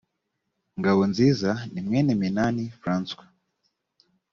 ngabonziza ni mwene minani francois